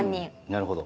なるほど。